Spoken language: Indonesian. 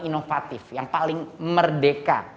inovatif yang paling merdeka